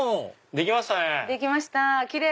できましたね。